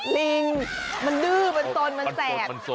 ลิงมันดื้อมันตนมันแสบ